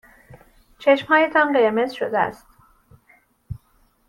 چشمهایتان قرمز شده است.